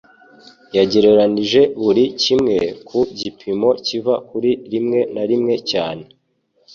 yagereranije buri kimwe ku gipimo kiva kuri rimwe na rimwe cyane